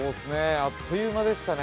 あっという間でしたね。